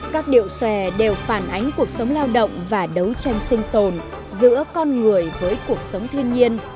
các điệu xòe đều phản ánh cuộc sống lao động và đấu tranh sinh tồn giữa con người với cuộc sống thiên nhiên